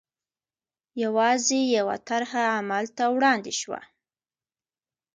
یوازې یوه طرحه عمل ته وړاندې شوه.